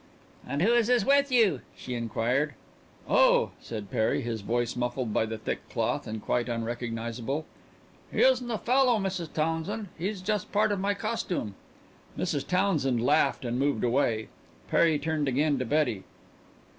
"And who is this with you?" she inquired. "Oh," said Perry, his voice muffled by the thick cloth and quite unrecognizable, "he isn't a fellow, Mrs. Townsend. He's just part of my costume." Mrs. Townsend laughed and moved away. Perry turned again to Betty.